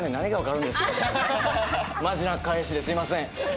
マジな返しですみません。